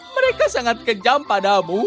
mereka sangat kejam padamu